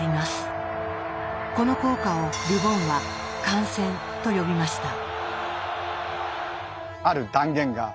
この効果をル・ボンは「感染」と呼びました。